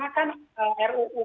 tapi kita juga harus ingat